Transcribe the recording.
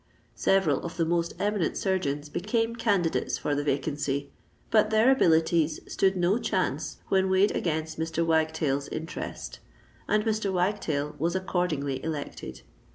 Several of the most eminent surgeons became candidates for the vacancy; but their abilities stood no chance when weighed against Mr. Wagtail's interest—and Mr. Wagtail was accordingly elected.